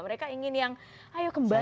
mereka ingin yang ayo kembali